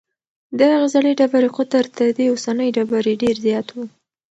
د هغې زړې ډبرې قطر تر دې اوسنۍ ډبرې ډېر زیات و.